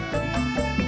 gak ada de